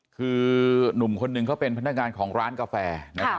คือหนุ่มคนหนึ่งเขาเป็นพนักงานของร้านกาแฟนะครับ